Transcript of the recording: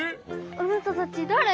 あなたたちだれ？